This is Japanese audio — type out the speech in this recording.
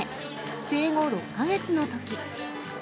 生後６か月のとき。